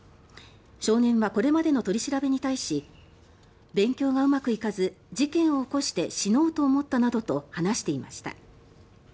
少年はこれまでの取り調べに対し勉強がうまくいかず事件を起こして死のうと思ったなどと話していました。